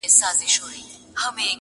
وحشت د انسان دننه پټ دی,